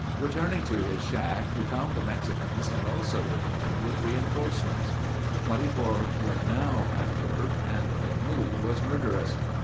Returning to his shack, he found the Mexicans had also returned with reinforcements. Twenty four were now at work and their mood was murderous.